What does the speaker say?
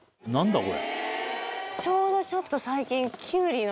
ちょうどちょっと最近。